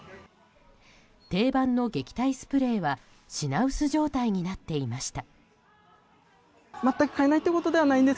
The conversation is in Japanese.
定番の撃退スプレーは品薄状態になっていました。